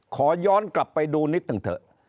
ขอย้อนกลับไปดูนิดหนึ่งเถอะ